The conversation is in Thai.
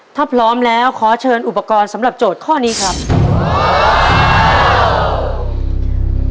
ถ้าพร้อมแล้วขอเชิญอุปกรณ์สำหรับโจทย์ข้อนี้ครับ